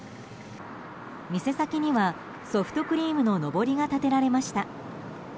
店先には、ソフトクリームののぼりが立てられました。